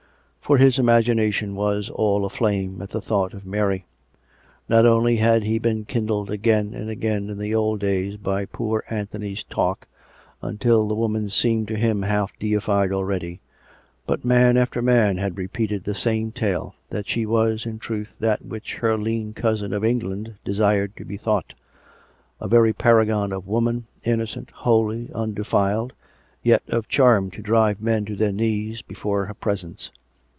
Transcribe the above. ... For his imagination was all aflame at the thought of Mary. Not only had he been kindled again and again in the old days by poor Anthony's talk, until the woman seemed to him half deified already; but man after man had repeated the same tale, that she was, in truth, that which her lean cousin of England desired to be thought — a very paragon of women, innocent, holy, undefiled, yet of charm to drive men to their knees before her presence.